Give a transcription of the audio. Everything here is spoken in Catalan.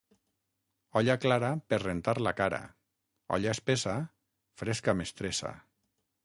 Olla clara, per rentar la cara; olla espessa, fresca mestressa.